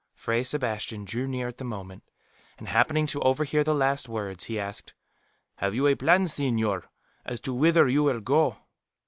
'" Fray Sebastian drew near at the moment, and happening to overhear the last words, he asked, "Have you any plan, señor, as to whither you will go?"